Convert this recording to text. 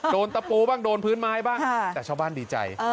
ตะปูบ้างโดนพื้นไม้บ้างแต่ชาวบ้านดีใจ